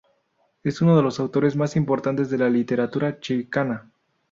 Es uno de los autores más importantes de la literatura chicana.